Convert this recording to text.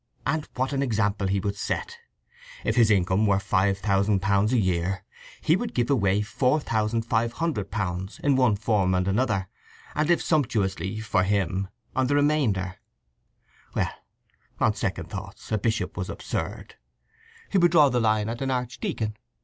And what an example he would set! If his income were £5000 a year, he would give away £4500 in one form and another, and live sumptuously (for him) on the remainder. Well, on second thoughts, a bishop was absurd. He would draw the line at an archdeacon.